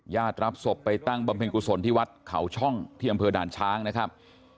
รับศพไปตั้งบำเพ็ญกุศลที่วัดเขาช่องที่อำเภอด่านช้างนะครับ